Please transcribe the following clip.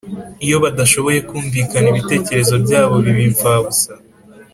Iyo badashoboye kumvikana ibitekerezo byabo biba impfabusa